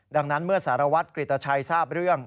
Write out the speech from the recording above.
ดังนั้นเมื่อสารวัตรกริตชัยทราบเรื่อง